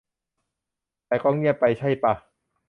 แต่ก็เงียบไปใช่ป่ะ